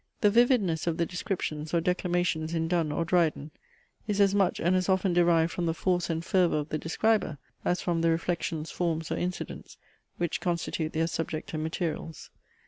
The vividness of the descriptions or declamations in Donne or Dryden, is as much and as often derived from the force and fervour of the describer, as from the reflections, forms or incidents, which constitute their subject and materials.